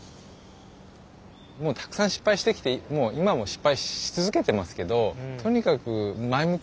もうたくさん失敗してきて今も失敗し続けてますけどとにかく前向きにやってます。